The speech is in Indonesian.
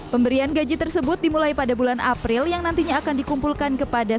pemberian gaji tersebut dimulai pada bulan april yang nantinya akan dikumpulkan kepada